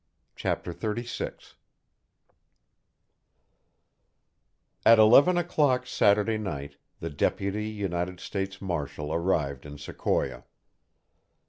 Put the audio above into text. CHAPTER XXXVI At eleven o'clock Saturday night the deputy United States marshal arrived in Sequoia.